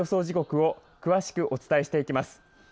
時刻を詳しくお伝えしていきます。